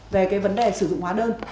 về cái vấn đề sử dụng hóa đơn